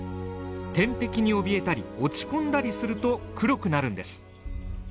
天敵におびえたり落ち込んだりすると黒くなるんです。